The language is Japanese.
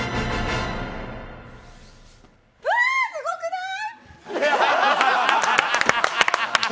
うわー、すごくない？